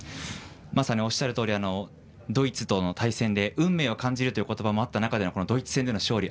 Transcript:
まさにおっしゃるとおりドイツとの対戦で運命を感じるという言葉もあった中でドイツ戦での勝利。